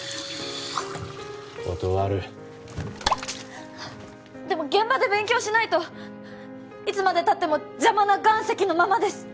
断るでも現場で勉強しないといつまでたっても邪魔な岩石のままです！